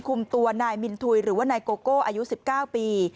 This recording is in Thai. คุมตัวนายมินทุยหรือว่านายโกโก้อายุ๑๙ปี